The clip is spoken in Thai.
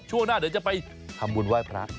ช่วงหน้าเดี๋ยวจะไปทำบุญไหว้พระ